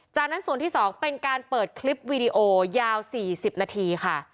จากนั้นส่วนที่๒เป็นการเปิดคลิปวีดีโอยาว๔๐นาทีค่ะ